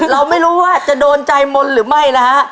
เราไม่รู้ว่าจะโดนใจมนต์หรือไม่นะฮะ